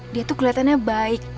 dia tuh keliatannya baik